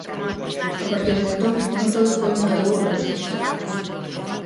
A partir de entón non todo foi negativo para os científicos.